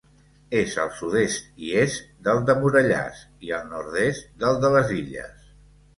És al sud-est i est del de Morellàs i al nord-est del de les Illes.